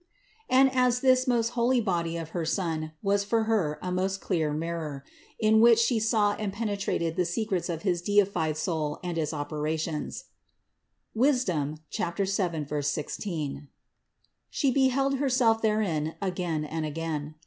And as this most holy body of her Son was for Her a most clear mirror, in which She saw and penetrated the secrets of his deified Soul and its operations (Wis. 7, 16), She beheld Herself therein again and again.